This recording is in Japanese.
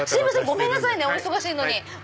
ごめんなさいねお忙しいのに。